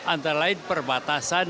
antara lain perbatasan